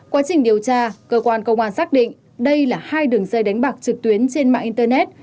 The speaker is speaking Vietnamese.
quá trình điều tra cơ quan công an xác định đây là hai đường dây đánh bạc trực tuyến trên mạng internet